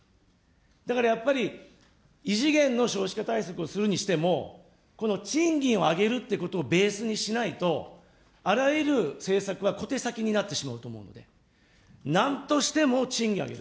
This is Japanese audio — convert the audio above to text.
だからやっぱり、異次元の少子化対策をするにしても、この賃金を上げるということをベースにしないと、あらゆる政策は小手先になってしまうと思うんで、なんとしても賃金を上げる。